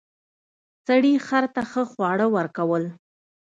سړي خر ته ښه خواړه ورکول.